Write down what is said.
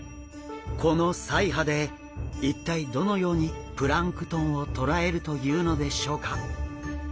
この鰓耙で一体どのようにプランクトンを捕らえるというのでしょうか？